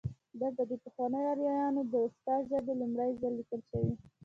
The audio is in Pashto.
دلته د پخوانیو آرینو د اوستا ژبه لومړی ځل لیکل شوې